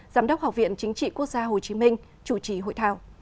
giám đốc học viện chính trị quốc gia hồ chí minh chủ trì hội thảo